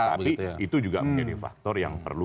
tapi itu juga menjadi faktor yang perlu